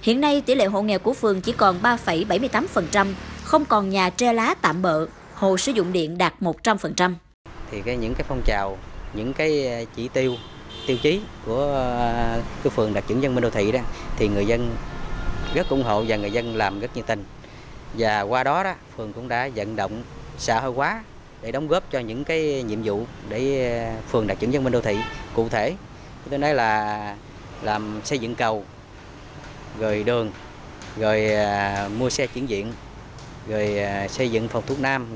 hiện nay tỷ lệ hộ nghèo của phường chỉ còn ba bảy mươi tám không còn nhà tre lá tạm bỡ hồ sử dụng điện đạt một trăm linh